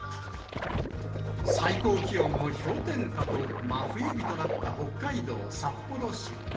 最高気温も氷点下と、真冬日となった北海道札幌市。